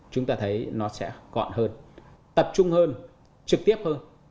chúng ta thấy nó sẽ gọn hơn tập trung hơn trực tiếp hơn